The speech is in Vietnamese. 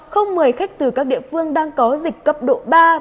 không mời khách từ các địa phương đang có dịch cấp độ ba